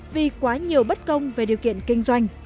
vì quá nhiều bất công về điều kiện kinh doanh